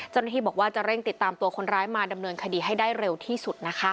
เจ้าหน้าที่บอกว่าจะเร่งติดตามตัวคนร้ายมาดำเนินคดีให้ได้เร็วที่สุดนะคะ